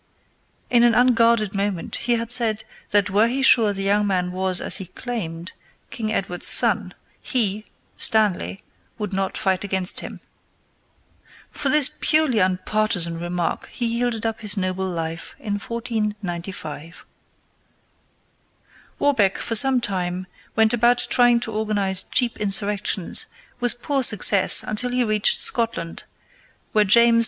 In an unguarded moment he had said that were he sure the young man was as he claimed, King Edward's son, he Stanley would not fight against him. For this purely unpartisan remark he yielded up his noble life in 1495. Warbeck for some time went about trying to organize cheap insurrections, with poor success until he reached Scotland, where James IV.